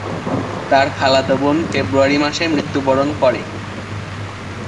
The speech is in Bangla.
তার খালাতো বোন ফেব্রুয়ারি মাসে মৃত্যুবরণ করে।